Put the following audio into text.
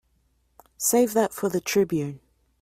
Save that for the Tribune.